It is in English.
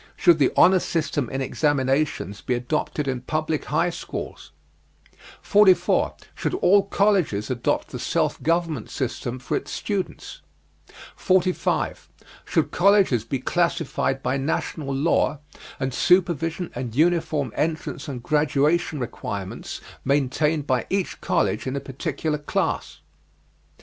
Should the honor system in examinations be adopted in public high schools? 44. Should all colleges adopt the self government system for its students? 45. Should colleges be classified by national law and supervision, and uniform entrance and graduation requirements maintained by each college in a particular class?